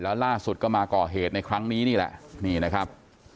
แล้วล่าสุดก็มาก่อเหตุในครั้งนี้นี่แหละนี่นะครับ